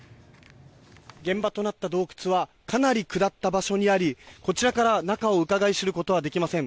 現場となった洞窟はかなり下った場所にありこちらから中をうかがい知ることはできません。